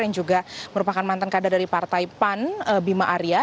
yang juga merupakan mantan kader dari partai pan bima arya